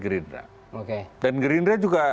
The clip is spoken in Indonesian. gerindra dan gerindra juga